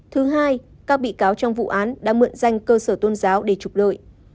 thứ hai các bị cáo trong vụ án đã mượn danh cơ sở tôn giáo để trục lợi